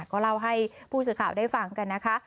ก็เล่าให้ผู้สื่อข่าวได้ฟังกันนะคะ